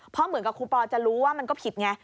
เพราะเหมือนกับครูปอจะรู้ว่ามันก็ผิดไง